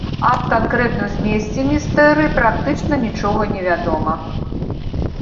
Аб канкрэтным змесце містэрый практычна нічога не вядома.